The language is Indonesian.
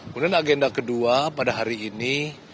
kemudian agenda kedua pada hari ini